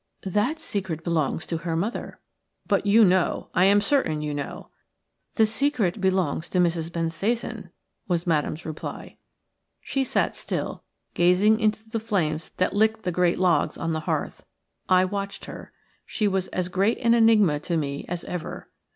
"That secret belongs to her mother." "But you know – I am certain you know." "The secret belongs to Mrs. Bensasan," was Madame's reply. She sat still, gazing into the flames that licked the great logs on the hearth. I watched her. She was as great an enigma to me as ever.